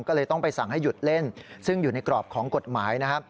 ก็เลยต้องไปสั่งให้หยุดเล่นซึ่งอยู่ในกรอบของกฎหมายนะครับ